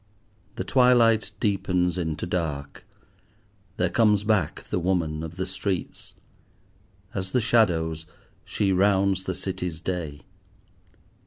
The twilight deepens into dark; there comes back the woman of the streets. As the shadows, she rounds the City's day.